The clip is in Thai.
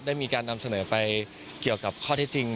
ได้มีการนำเสนอไปเกี่ยวกับข้อที่จริง